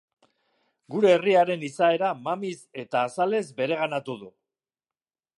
Gure herriaren izaera mamiz eta azalez bereganatu du.